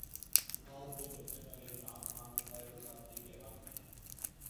آج جو لکھنے والے عمران خان اور طاہرالقادری کے حق میں ہیں۔